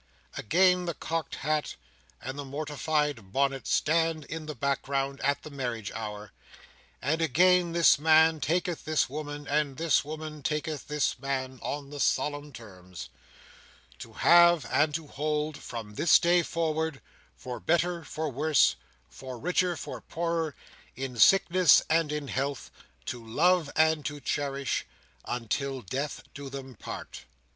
Again, the cocked hat and the mortified bonnet stand in the background at the marriage hour; and again this man taketh this woman, and this woman taketh this man, on the solemn terms: "To have and to hold, from this day forward, for better for worse, for richer for poorer, in sickness and in health, to love and to cherish, until death do them part."